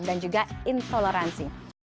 dan juga intoleransi